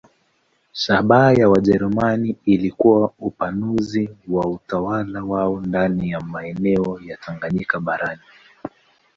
Shabaha ya Wajerumani ilikuwa upanuzi wa utawala wao ndani ya maeneo ya Tanganyika barani.